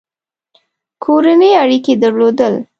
کورني اړیکي درلودل.